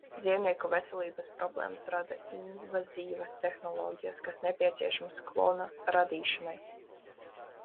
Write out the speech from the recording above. Dzīvnieku veselības problēmas rada invazīvās tehnoloģijas, kas nepieciešamas klona radīšanai.